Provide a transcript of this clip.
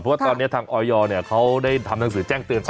เพราะว่าตอนนี้ทางออยเขาได้ทำหนังสือแจ้งเตือนไป